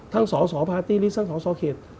ทั้งสองสอพาร์ตี้ลิสต์ทั้งสองสอเขต